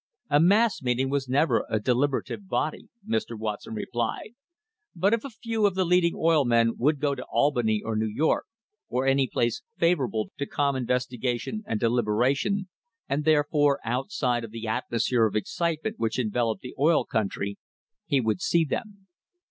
A mass meeting was never a "deliberative body," Mr. Watson replied, but if a few of the leading oil men would go to Albany or New York, or any place favourable to calm investigation and deliberation, and therefore outside of the atmosphere of excitement which enveloped the oil country, he would see them.